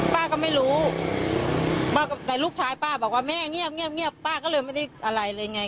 ป้าก็ไม่รู้แต่ลูกชายป้าบอกว่าแม่เงียบเงียบป้าก็เลยไม่ได้อะไรเลยไง